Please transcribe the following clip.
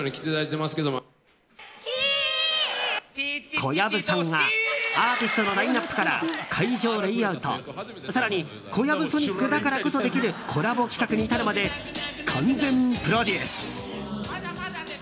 小籔さんがアーティストのラインアップから会場レイアウト更に「ＫＯＹＡＢＵＳＯＮＩＣ」だからこそできるコラボ企画に至るまで完全プロデュース。